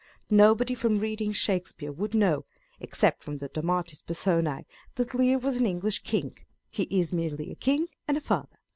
Nobody from reading Shakespeare would know (except from the Dramatis Personce) that Lear was an English king. He is merely a king and a father.